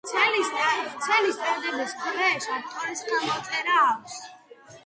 ვრცელ სტატიებს ქვეშ ავტორის ხელმოწერა აქვს.